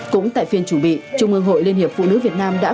cũng tại phiên chủ bị trung ương hội liên hiệp phụ nữ việt nam đã